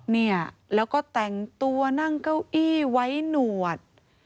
เนี่ยแล้วก็แต่งตัวนั่งเก้าอี้ไว้หนวด